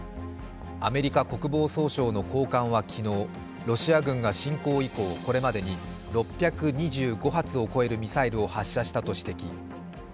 アメリカ国防総省の高官は昨日、ロシア軍が侵攻をこれまでに６２５発を超えるミサイルを発射したと指摘。